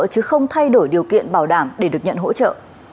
chứ không thay đổi điều kiện bảo đảm để được nhận hỗ trợ